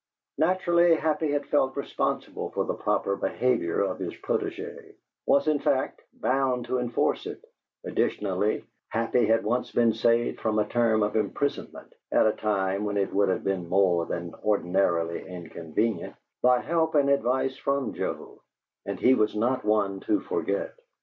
Naturally, Happy had felt responsible for the proper behavior of his protege was, in fact, bound to enforce it; additionally, Happy had once been saved from a term of imprisonment (at a time when it would have been more than ordinarily inconvenient) by help and advice from Joe, and he was not one to forget.